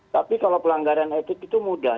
tapi kalau pelanggaran etik itu mudah